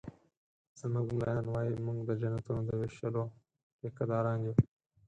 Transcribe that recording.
زموږ ملایان وایي مونږ د جنتونو د ویشلو ټيکه داران یو